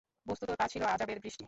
বস্তুত তা ছিল আযাবের বৃষ্টি।